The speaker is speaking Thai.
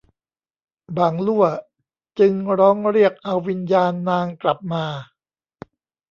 บ่างลั่วจึงร้องเรียกเอาวิญญาณนางกลับมา